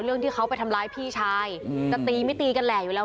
เรื่องที่เขาไปทำร้ายพี่ชายจะตีไม่ตีกันแหละอยู่แล้ว